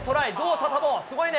サタボー、すごいね。